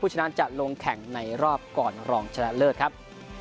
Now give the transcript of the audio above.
ฉะนั้นจะลงแข่งในรอบก่อนรองชนะเลิศครับ